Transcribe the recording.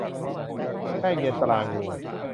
แป้งเย็นตรางู